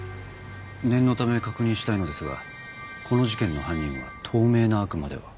念のため確認したいのですがこの事件の犯人は透明な悪魔では？